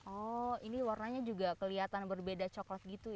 oh ini warnanya juga kelihatan berbeda coklat gitu ya